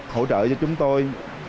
hỗ trợ cho chúng tôi